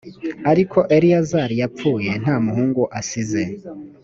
ariko eleyazari yapfuye nta muhungu asize